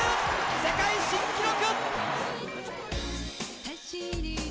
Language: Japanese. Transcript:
世界新記録！